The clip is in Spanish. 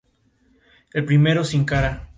Mitchell nació en Melbourne, Australia.